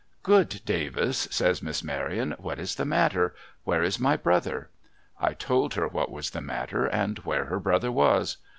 'Good Davis,' says Miss Maryon, 'what is the matter? Where is my brother ?' I told her what was the matter, and where her brother was.